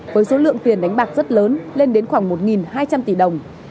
với số lượng tiền đánh bạc rất lớn lên đến khoảng một hai trăm linh tỷ đồng